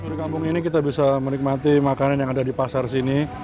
dari kampung ini kita bisa menikmati makanan yang ada di pasar sini